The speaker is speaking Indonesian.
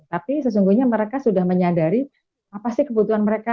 tapi sesungguhnya mereka sudah menyadari apa sih kebutuhan mereka